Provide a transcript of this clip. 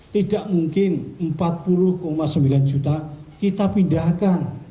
tidak mungkin empat puluh sembilan juta kita pindahkan